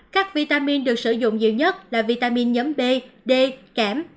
các vitamin được sử dụng nhiều nhất là vitamin nhóm b d kém